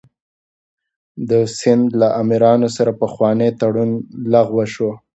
د سند له امیرانو سره پخوانی تړون لغوه شو.